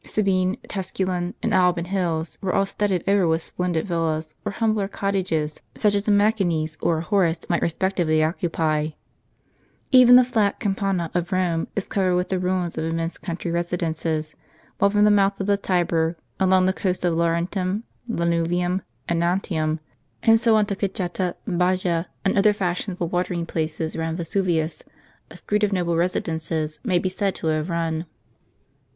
Sabine, Tusculan, and Alban hills were all studded over with splendid villas, or humbler cot tages, such as a Maecenas or a Horace might respectively occupy ; even the fiat Campagna of Rome is covered with the ruins of immense country residences ; while from the mouth of the Tiber, along the coast of Laurentum, Lanuvium, and Antium, and so on to Cajeta, Baja3, and other fashionable Avatering places round Vesuvius, a street of noble residences may be said to have run.